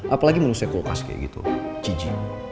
apalagi manusia kokas kayak gitu cici